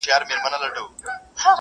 چي سرسایې او عالمانو ته خیرات ورکوي ,